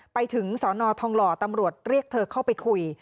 ไปถึงสอนอทองหล่อตำรวจเรียกเธอเข้าไปคุย